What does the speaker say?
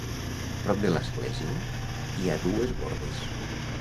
Prop de l'església hi ha dues bordes.